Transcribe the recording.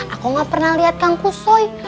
aku enggak pernah lihat kang kusoy